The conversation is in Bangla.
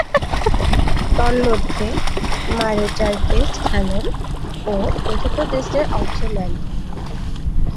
তন্মধ্যে, মারে চার টেস্ট খেলেন ও চতুর্থ টেস্টে অংশ নেননি।